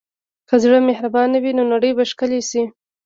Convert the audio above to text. که زړه مهربان وي، نو نړۍ به ښکلې شي.